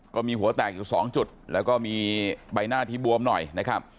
ก็มีหัวแตกอยู่สองจุดแล้วก็มีใบหน้าที่บวมหน่อยนะครับ